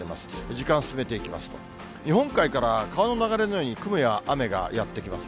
時間進めていきますと、日本海から川の流れのように雲や雨がやって来ます。